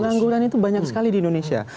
penanggulan itu banyak sekali di indonesia